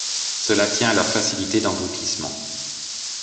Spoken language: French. Cela tient à leur facilité d’engloutissement.